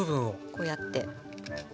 こうやって。